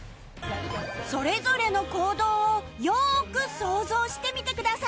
それぞれの行動をよーく想像してみてください